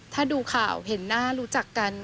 ถ้าดูข่าวเห็นหน้ารู้จักกัน